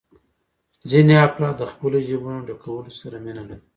ځینې افراد د خپلو جېبونو ډکولو سره مینه لري